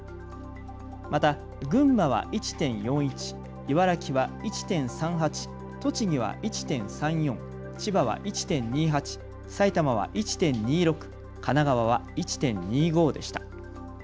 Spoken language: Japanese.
また群馬は１．４１、茨城は１．３８、栃木は１．３４、千葉は１．２８、埼玉は１．２６、神奈川は１．２５でした。